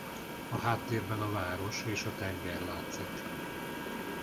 A háttérben a város és a tenger látszik.